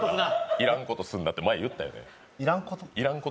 要らんことすなって前言ったよな？